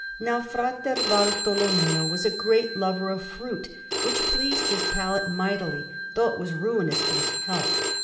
Now Fra Bartolommeo was a great lover of fruit, which pleased his palate mightily, although it was ruinous to his health.